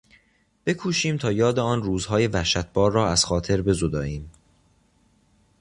بکوشیم تا یاد آن روزهای وحشتبار را از خاطر بزداییم.